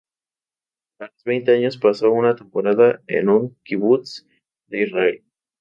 A los veinte años pasó una temporada en un kibutz de Israel.